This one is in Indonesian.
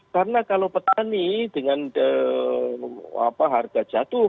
karena kalau petani dengan harga jatuh